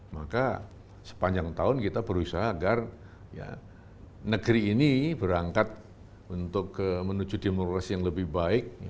maka sepanjang tahun kita berusaha agar negeri ini berangkat untuk menuju demokrasi yang lebih baik